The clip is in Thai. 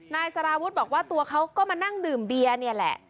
นายสารวุฒิบอกว่าตัวเขาก็มานั่งดื่มเบียร์เนี่ยแหละ